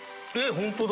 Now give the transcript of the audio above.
ホントだ。